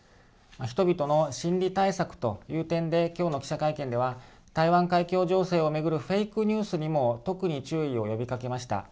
人々の心理対策という点で今日の記者会見では台湾海峡情勢を巡るフェイクニュースにも特に注意を呼びかけました。